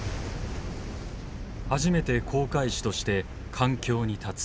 「初めて航海士として艦橋に立つ。